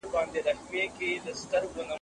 ¬ پښتون نه دئ، چي د نوک جواب په سوک ور نه کي.